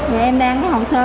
rồi em đang cái hồ sơ